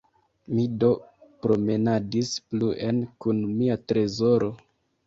Mi do promenadis pluen kun mia trezoro.